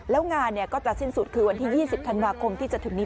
แล้วงานก็จะสิ้นสุดคือวันที่๒๐ธันวาคมที่จะถึงนี้